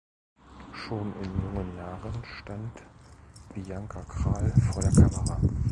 Schon in jungen Jahren stand Bianca Krahl vor der Kamera.